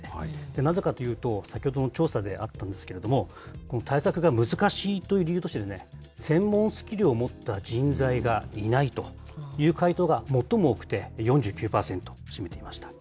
なぜかというと、先ほどの調査であったんですけれども、対策が難しいという理由として、専門スキルを持った人材がいないという回答が最も多くて４９％を占めていました。